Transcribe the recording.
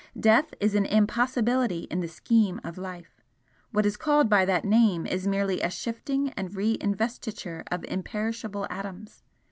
Death is an impossibility in the scheme of Life what is called by that name is merely a shifting and re investiture of imperishable atoms.